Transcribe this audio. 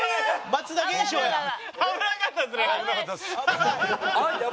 松田現象や。